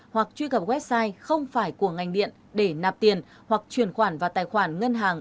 hoặc truy cập website không phải của ngành điện để nạp tiền hoặc chuyển khoản và tài khoản ngân hàng